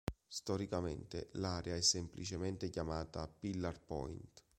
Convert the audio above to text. Storicamente l'area è semplicemente chiamata Pillar Point.